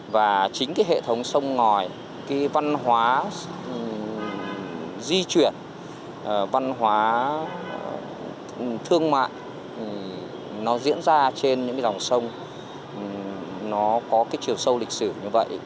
và chính cái hệ thống sông ngòi cái văn hóa di chuyển văn hóa thương mại nó diễn ra trên những cái dòng sông nó có cái chiều sâu lịch sử như vậy